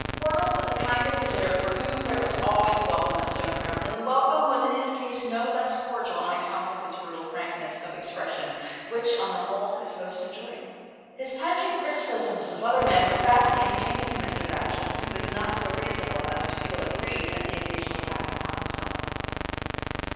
Wardle was a kind of visitor for whom there was always a welcome at Stoneground, and the welcome was in his case no less cordial on account of his brutal frank ness of expression, which, on the whole, his host enjoyed. His pungent criticisms of other men were vastly entertaining to Mr. Batchel, who was not so unreasonable as to feel aggrieved at an occasional attack upon himself.